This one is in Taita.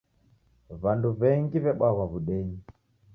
W'andu w'engi w'ebwaghwa w'udenyi.